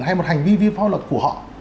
hay một hành vi vi pháp luật của họ